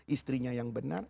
istrinya yang benar